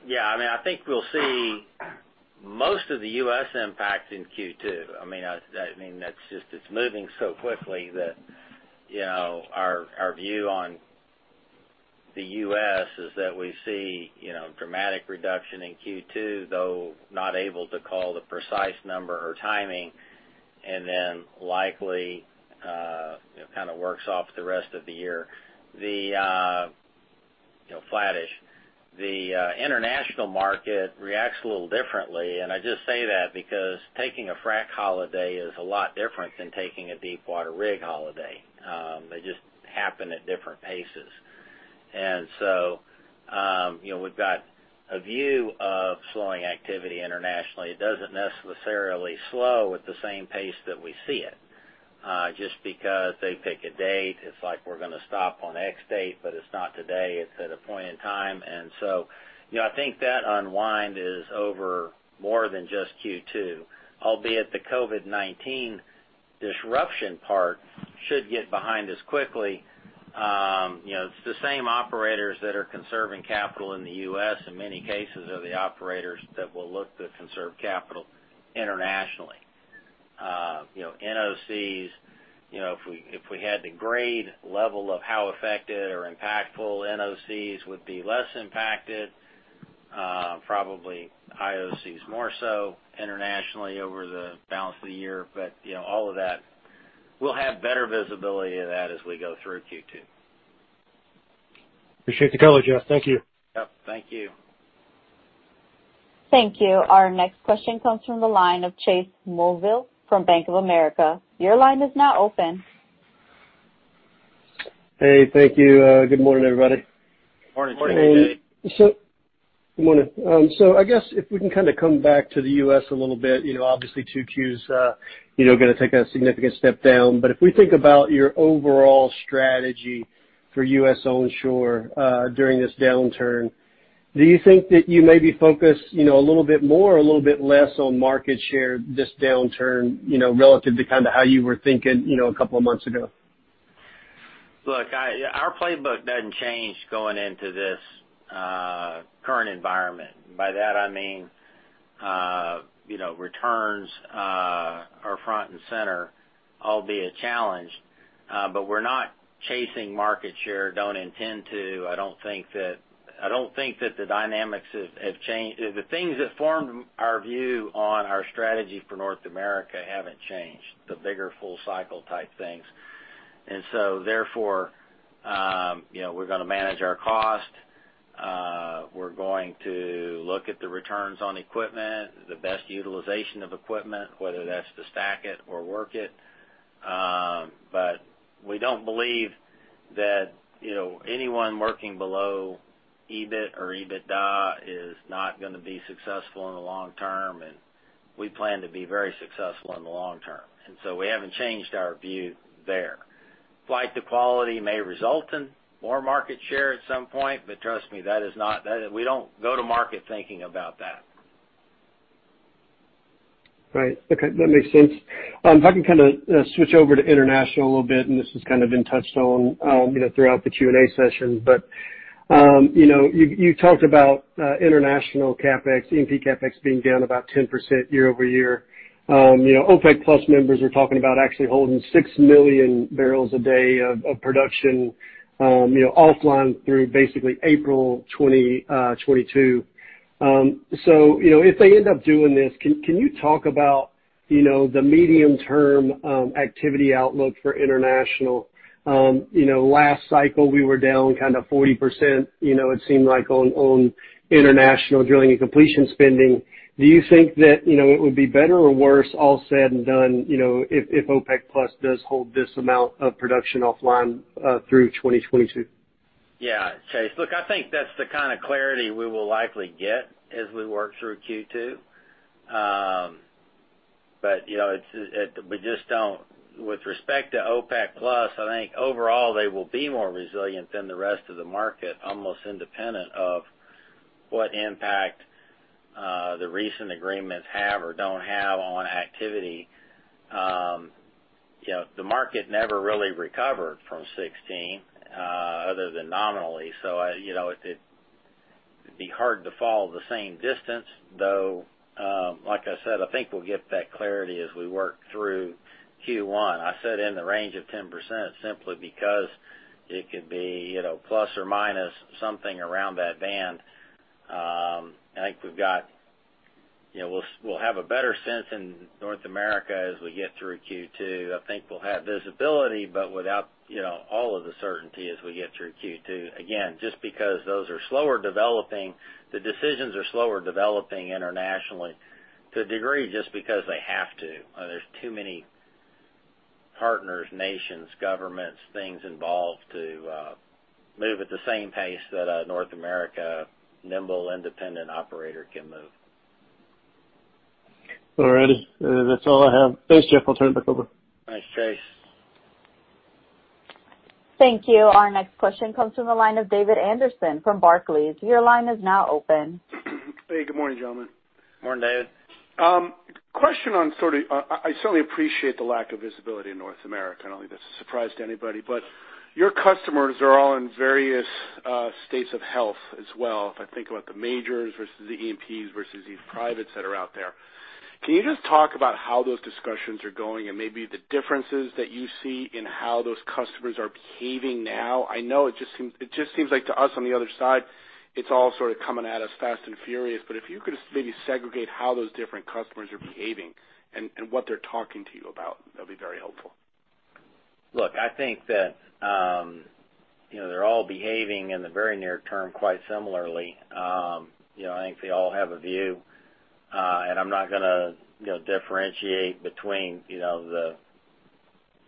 I think we'll see most of the U.S. impact in Q2. It's moving so quickly that our view on the U.S. is that we see dramatic reduction in Q2, though not able to call the precise number or timing, and then likely works off the rest of the year flattish. The international market reacts a little differently. I just say that because taking a frack holiday is a lot different than taking a deepwater rig holiday. They just happen at different paces. We've got a view of slowing activity internationally. It doesn't necessarily slow at the same pace that we see it. Just because they pick a date, it's like we're going to stop on X date, but it's not today. It's at a point in time. I think that unwind is over more than just Q2, albeit the COVID-19 disruption part should get behind us quickly. It's the same operators that are conserving capital in the U.S. in many cases are the operators that will look to conserve capital internationally. NOCs, if we had to grade level of how affected or impactful, NOCs would be less impacted, probably IOCs more so internationally over the balance of the year. All of that, we'll have better visibility of that as we go through Q2. Appreciate the color, Jeff. Thank you. Yep, thank you. Thank you. Our next question comes from the line of Chase Mulvehill from Bank of America. Your line is now open. Hey, thank you. Good morning, everybody. Morning. Morning. Good morning. I guess if we can kind of come back to the U.S. a little bit. Obviously, 2 Qs are going to take a significant step down. If we think about your overall strategy for U.S. onshore during this downturn, do you think that you may be focused a little bit more or a little bit less on market share this downturn, relative to how you were thinking a couple of months ago? Look, our playbook doesn't change going into this current environment. By that, I mean, returns are front and center, albeit challenged. We're not chasing market share, don't intend to. I don't think that the dynamics have changed. The things that formed our view on our strategy for North America haven't changed, the bigger full-cycle type things. Therefore, we're going to manage our cost. We're going to look at the returns on equipment, the best utilization of equipment, whether that's to stack it or work it. We don't believe that anyone working below EBIT or EBITDA is not going to be successful in the long term, and we plan to be very successful in the long term. We haven't changed our view there. Flight to quality may result in more market share at some point. Trust me, we don't go to market thinking about that. Right. Okay. That makes sense. If I can switch over to international a little bit, and this has been touched on throughout the Q&A session. You talked about international CapEx, E&P CapEx being down about 10% year-over-year. OPEC+ members are talking about actually holding 6 million barrels a day of production offline through basically April 2022. If they end up doing this, can you talk about the medium-term activity outlook for international? Last cycle, we were down 40%, it seemed like, on international drilling and completion spending. Do you think that it would be better or worse, all said and done, if OPEC+ does hold this amount of production offline through 2022? Yeah. Chase, look, I think that's the kind of clarity we will likely get as we work through Q2. With respect to OPEC+, I think overall they will be more resilient than the rest of the market, almost independent of what impact the recent agreements have or don't have on activity. The market never really recovered from 2016, other than nominally. It'd be hard to fall the same distance, though, like I said, I think we'll get that clarity as we work through Q1. I said in the range of 10% simply because it could be plus or minus something around that band. I think we'll have a better sense in North America as we get through Q2. I think we'll have visibility, but without all of the certainty as we get through Q2. Just because those are slower developing, the decisions are slower developing internationally to a degree, just because they have to. There's too many partners, nations, governments, things involved to move at the same pace that a North America nimble, independent operator can move. All righty. That's all I have. Thanks, Jeff. I'll turn it back over. Thanks, Chase. Thank you. Our next question comes from the line of David Anderson from Barclays. Your line is now open. Hey, good morning, gentlemen. Morning, David. I certainly appreciate the lack of visibility in North America. I don't think that's a surprise to anybody. Your customers are all in various states of health as well. If I think about the majors versus the E&Ps versus these privates that are out there. Can you just talk about how those discussions are going and maybe the differences that you see in how those customers are behaving now? I know it just seems like to us on the other side, it's all coming at us fast and furious. If you could maybe segregate how those different customers are behaving and what they're talking to you about, that'd be very helpful. Look, I think that they're all behaving in the very near term quite similarly. I think they all have a view. I'm not gonna differentiate between the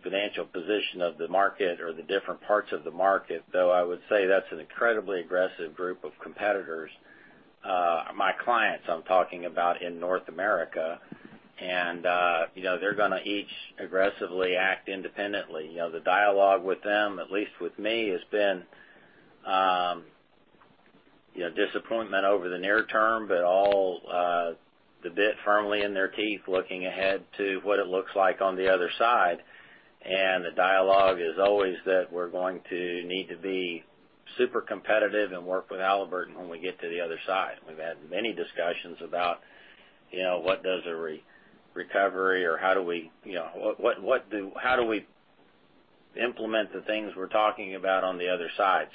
financial position of the market or the different parts of the market, though I would say that's an incredibly aggressive group of competitors. My clients, I'm talking about in North America. They're gonna each aggressively act independently. The dialogue with them, at least with me, has been disappointment over the near term. All the bit firmly in their teeth looking ahead to what it looks like on the other side. The dialogue is always that we're going to need to be super competitive and work with Halliburton when we get to the other side. We've had many discussions about what does a recovery, or how do we implement the things we're talking about on the other side.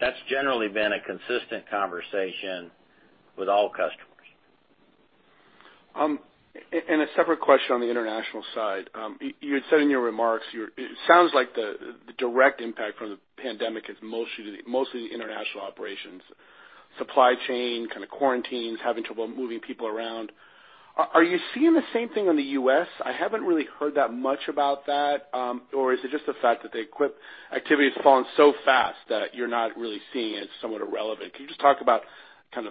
That's generally been a consistent conversation with all customers. A separate question on the international side. You had said in your remarks, it sounds like the direct impact from the pandemic is mostly the international operations, supply chain, kind of quarantines, having trouble moving people around. Are you seeing the same thing in the U.S.? I haven't really heard that much about that. Is it just the fact that the activity has fallen so fast that you're not really seeing it's somewhat irrelevant? Can you just talk about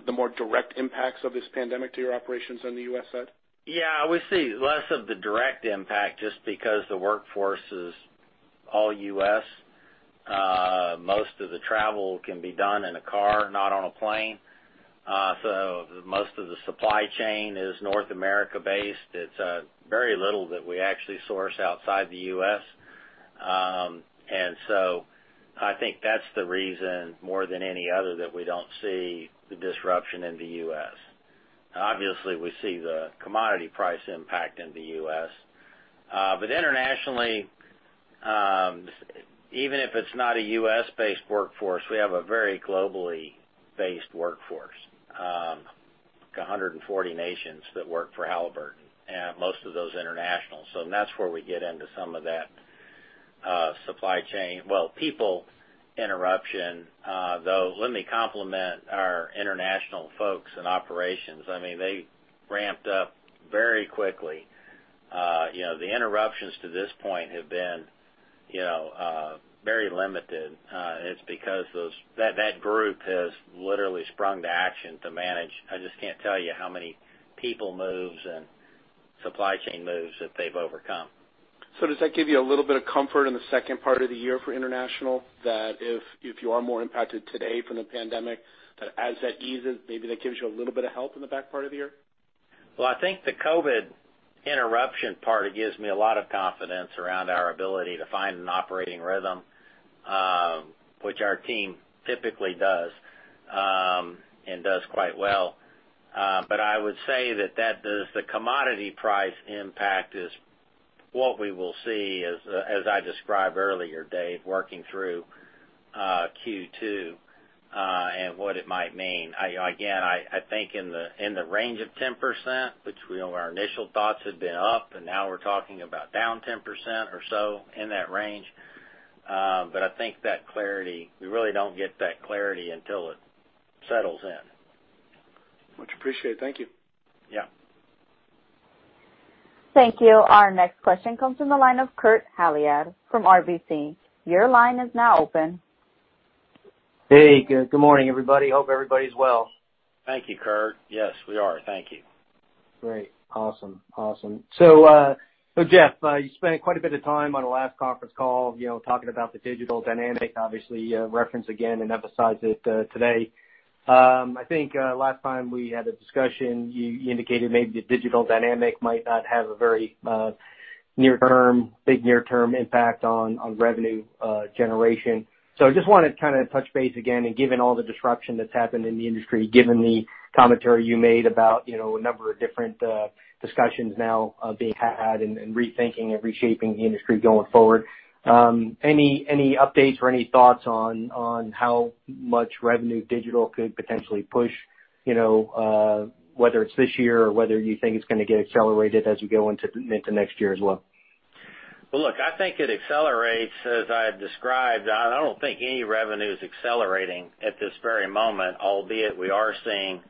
the more direct impacts of this pandemic to your operations on the U.S. side? We see less of the direct impact just because the workforce is all U.S. Most of the travel can be done in a car, not on a plane. Most of the supply chain is North America based. It is very little that we actually source outside the U.S. I think that is the reason, more than any other, that we do not see the disruption in the U.S. Obviously, we see the commodity price impact in the U.S. Internationally, even if it is not a U.S.-based workforce, we have a very globally based workforce, like 140 nations that work for Halliburton, and most of those international. That is where we get into some of that supply chain, well, people interruption. Though, let me compliment our international folks in operations. They ramped up very quickly. The interruptions to this point have been very limited. It's because that group has literally sprung to action to manage. I just can't tell you how many people moves and supply chain moves that they've overcome. Does that give you a little bit of comfort in the second part of the year for international, that if you are more impacted today from the pandemic, as that eases, maybe that gives you a little bit of help in the back part of the year? I think the COVID-19 interruption part gives me a lot of confidence around our ability to find an operating rhythm, which our team typically does, and does quite well. I would say that the commodity price impact is what we will see as I described earlier, Dave, working through Q2, and what it might mean. Again, I think in the range of 10%, which we know our initial thoughts had been up, and now we're talking about down 10% or so in that range. I think that clarity, we really don't get that clarity until it settles in. Much appreciated. Thank you. Yeah. Thank you. Our next question comes from the line of Kurt Hallead from RBC. Your line is now open. Hey, good morning, everybody. Hope everybody's well. Thank you, Kurt. Yes, we are. Thank you. Great. Awesome. Jeff, you spent quite a bit of time on the last conference call talking about the digital dynamic, obviously, you referenced again and emphasized it today. I think last time we had a discussion, you indicated maybe the digital dynamic might not have a very big near-term impact on revenue generation. I just wanted to touch base again, and given all the disruption that's happened in the industry, given the commentary you made about a number of different discussions now being had and rethinking and reshaping the industry going forward, any updates or any thoughts on how much revenue digital could potentially push, whether it's this year or whether you think it's going to get accelerated as we go into next year as well? Well, look, I think it accelerates, as I had described. I don't think any revenue's accelerating at this very moment, albeit we are seeing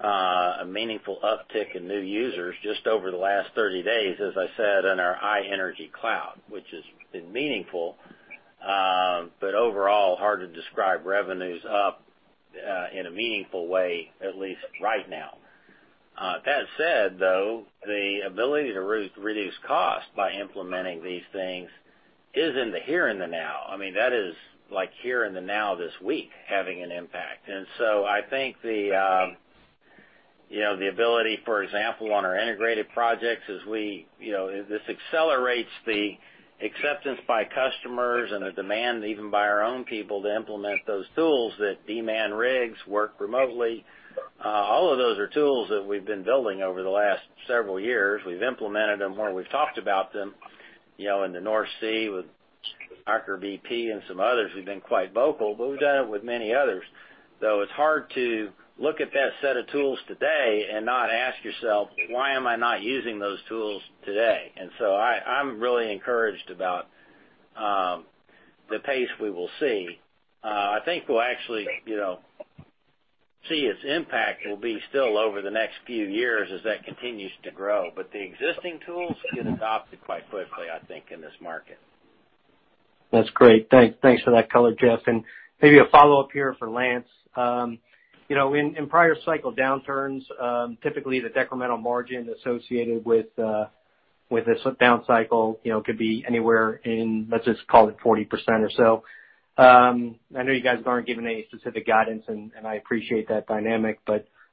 a meaningful uptick in new users just over the last 30 days, as I said, in our iEnergy Cloud, which has been meaningful. Overall, hard to describe revenues up in a meaningful way, at least right now. That said, though, the ability to reduce cost by implementing these things is in the here and the now. That is like here and the now this week having an impact. I think the ability, for example, on our integrated projects as this accelerates the acceptance by customers and the demand even by our own people to implement those tools that demand rigs work remotely. All of those are tools that we've been building over the last several years. We've implemented them where we've talked about them in the North Sea with Aker BP and some others who've been quite vocal, but we've done it with many others. It's hard to look at that set of tools today and not ask yourself, "Why am I not using those tools today?" I'm really encouraged about the pace we will see. I think we'll actually see its impact will be still over the next few years as that continues to grow. The existing tools get adopted quite quickly, I think, in this market. That's great. Thanks for that color, Jeff. Maybe a follow-up here for Lance. In prior cycle downturns, typically the decremental margin associated with this down cycle could be anywhere in, let's just call it 40% or so. I know you guys aren't giving any specific guidance, and I appreciate that dynamic,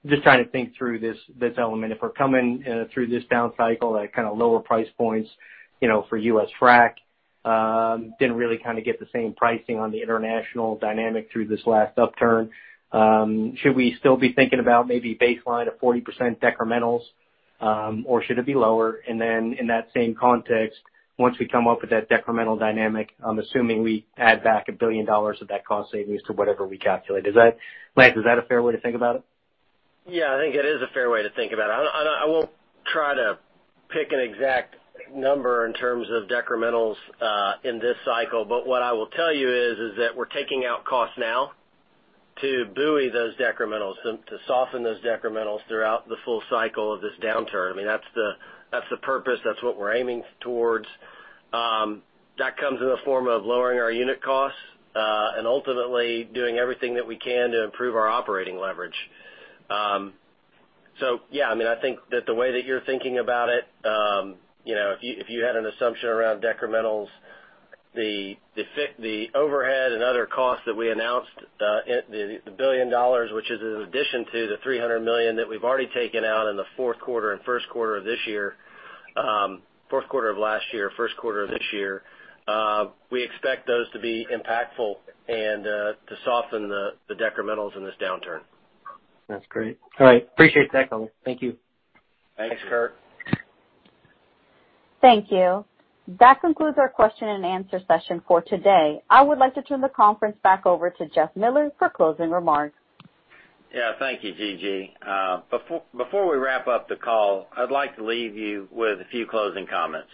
just trying to think through this element. If we're coming through this down cycle at kind of lower price points for U.S. frack, didn't really kind of get the same pricing on the international dynamic through this last upturn. Should we still be thinking about maybe baseline of 40% decrementals, or should it be lower? In that same context, once we come up with that decremental dynamic, I'm assuming we add back $1 billion of that cost savings to whatever we calculate. Lance, is that a fair way to think about it? Yeah, I think it is a fair way to think about it. I won't try to pick an exact number in terms of decrementals in this cycle. What I will tell you is that we're taking out costs now to buoy those decrementals and to soften those decrementals throughout the full cycle of this downturn. That's the purpose. That's what we're aiming towards. That comes in the form of lowering our unit costs, and ultimately doing everything that we can to improve our operating leverage. Yeah, I think that the way that you're thinking about it, if you had an assumption around decrementals, the overhead and other costs that we announced, the $1 billion, which is in addition to the $300 million that we've already taken out in the fourth quarter and first quarter of this year. Fourth quarter of last year, first quarter of this year, we expect those to be impactful and to soften the decrementals in this downturn. That's great. All right. Appreciate that color. Thank you. Thanks, Kurt. Thank you. That concludes our question and answer session for today. I would like to turn the conference back over to Jeff Miller for closing remarks. Thank you, Jiji. Before we wrap up the call, I'd like to leave you with a few closing comments.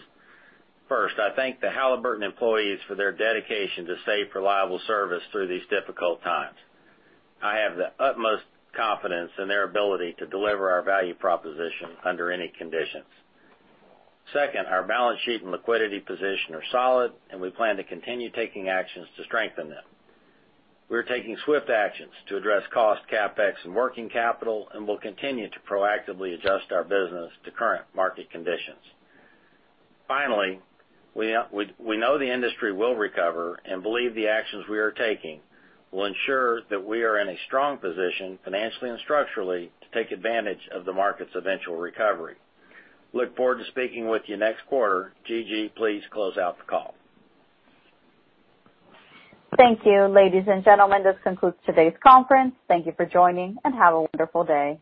First, I thank the Halliburton employees for their dedication to safe, reliable service through these difficult times. I have the utmost confidence in their ability to deliver our value proposition under any conditions. Second, our balance sheet and liquidity position are solid, and we plan to continue taking actions to strengthen them. We're taking swift actions to address cost, CapEx, and working capital, and will continue to proactively adjust our business to current market conditions. Finally, we know the industry will recover and believe the actions we are taking will ensure that we are in a strong position financially and structurally to take advantage of the market's eventual recovery. Look forward to speaking with you next quarter. Jiji, please close out the call. Thank you. Ladies and gentlemen, this concludes today's conference. Thank you for joining, and have a wonderful day.